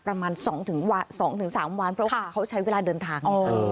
ประมาณ๒๓วันเพราะเขาใช้เวลาเดินทาง